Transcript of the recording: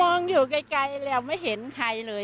มองอยู่ไกลแล้วไม่เห็นใครเลย